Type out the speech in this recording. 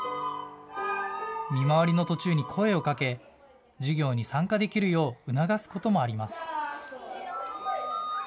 見回りの途中に声をかけ授業に参加できるよう促すこともあります。